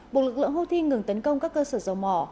buộc lực lượng houthi ngừng tấn công các cơ sở dầu mỏ